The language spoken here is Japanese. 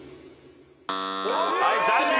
はい残念。